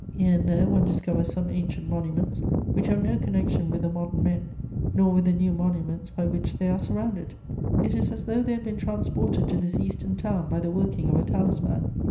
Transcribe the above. Here and there one discovers some ancient monuments which have no connection with the modern men, nor with the new monuments by which they are surrounded; it is as though they had been transported to this eastern town by the working of a talisman.